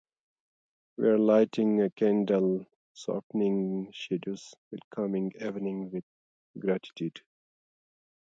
We are lighting a candle, softening shadows, welcoming evening with gratitude.